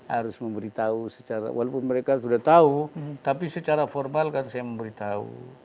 harus memberitahu secara walaupun mereka sudah tahu tapi secara formal kan saya memberitahu